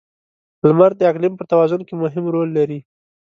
• لمر د اقلیم پر توازن کې مهم رول لري.